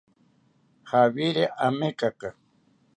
Jawiri amekaka